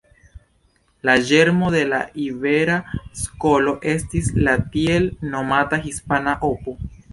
La ĝermo de la Ibera Skolo estis la tiel nomata Hispana Opo.